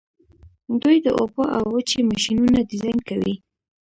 دوی د اوبو او وچې ماشینونه ډیزاین کوي.